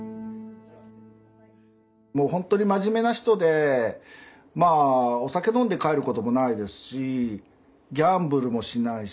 もうほんとに真面目な人でまあお酒飲んで帰ることもないですしギャンブルもしないし。